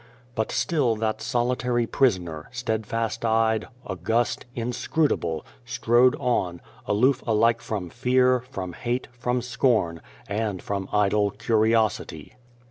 But still that solitary prisoner steadfast eyed, august, inscrutable strode on, aloof alike from fear, from hate, from scorn, and from idle curiosity.